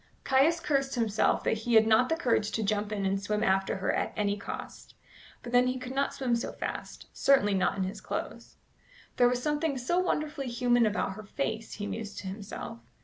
Caius cursed himself that he had not the courage to jump in and swim after her at any cost. But then he could not swim so fast certainly not in his clothes. "There was something so wonderfully human about her face," he mused to himself.